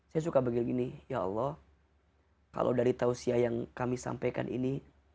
saya suka begini gini ya allah kalau dari tausiah yang kami sampaikan ini